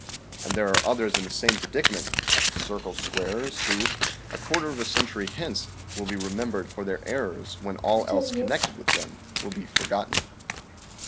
And there are others in the same predicament circle squarers who, a quarter of a century hence, will be remembered for their errors when all else connected with them will be forgotten.